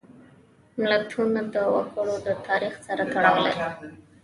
متلونه د وګړو د تاریخ سره تړلي دي